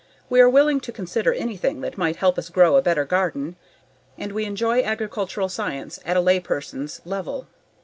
We are willing to consider anything that might help us grow a better garden and we enjoy agricultural science at a lay person's level.